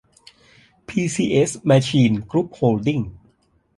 พี ซี เอส แมชีน กรุ๊ปโฮลดิ้ง